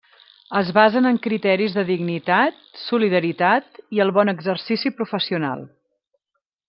Es basen en criteris de dignitat, solidaritat i el bon exercici professional.